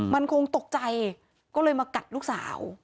มันคงตกใจก็เลยมากัดลูกสาว